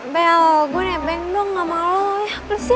bel gue nempel mulu sama lo ya terus ya